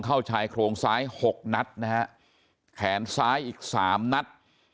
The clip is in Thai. เข้าชายโครงซ้าย๖นัดนะครับแขนซ้ายอีก๓นัด